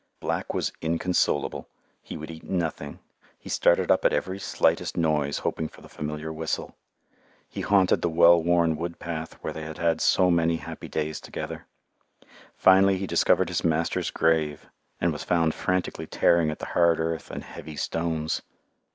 Black was inconsolable. He would eat nothing; he started up at every slightest noise hoping for the familiar whistle; he haunted the well worn woodpath where they had had so many happy days together. Finally he discovered his master's grave and was found frantically tearing at the hard earth and heavy stones.